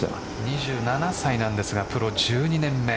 ２７歳なんですがプロ１２年目。